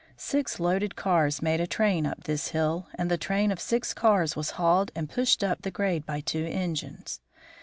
Six loaded cars made a train up this hill, and the train of six cars was hauled and pushed up the grade by two engines.